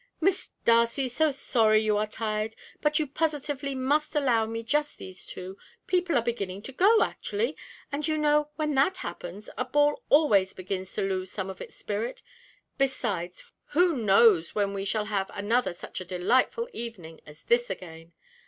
"Miss Darcy so sorry you are tired, but you positively must allow me just these two. People are beginning to go, actually! and, you know, when that happens, a ball always begins to lose some of its spirit. Besides, who knows when we shall have another such a delightful evening as this again?